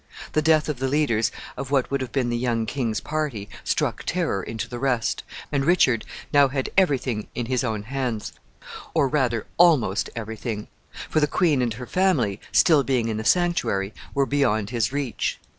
The death of the leaders of what would have been the young king's party struck terror into the rest, and Richard now had every thing in his own hands, or, rather, almost every thing; for the queen and her family, being still in the sanctuary, were beyond his reach.